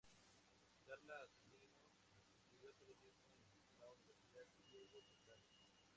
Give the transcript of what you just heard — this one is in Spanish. Carla Zunino estudió periodismo en la Universidad Diego Portales.